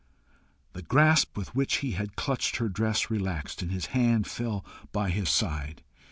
The grasp with which he had clutched her dress relaxed, and his hand fell by his side.